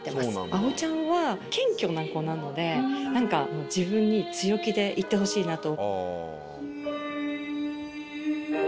あおいちゃんは謙虚な子なので自分に強気でいってほしいなと。